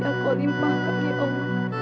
aku limpahkan ya allah